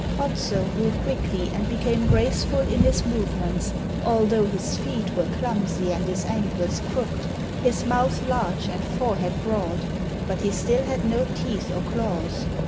'Otso grew quickly and became graceful in his movements, although his feet were clumsy and his ankles crooked, his mouth large and forehead broad; but he still had no teeth or claws.